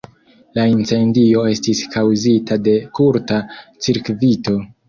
La incendio estis kaŭzita de kurta cirkvito.